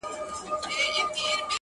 موږه ستا د سترگو له پردو سره راوتـي يـو!